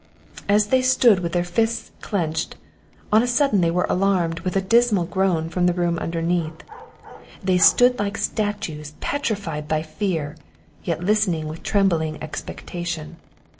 As they stood with their fists clenched, on a sudden they were alarmed with a dismal groan from the room underneath. They stood like statues petrified by fear, yet listening with trembling expectation.